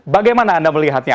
bagaimana anda melihatnya